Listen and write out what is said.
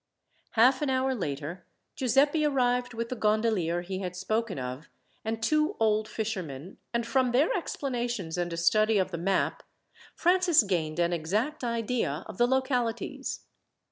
Half an hour later Giuseppi arrived with the gondolier he had spoken of, and two old fishermen, and from their explanations, and a study of the map, Francis gained an exact idea of the localities.